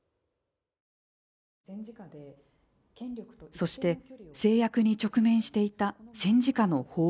そして、制約に直面していた戦時下の報道。